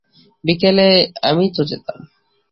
বিকেলে আমিই তো যেতাম।